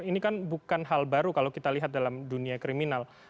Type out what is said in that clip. ini kan bukan hal baru kalau kita lihat dalam dunia kriminal